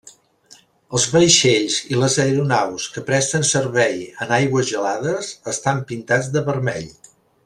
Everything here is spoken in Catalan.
Els vaixells i les aeronaus que presten servei en aigües gelades estan pintats de vermell.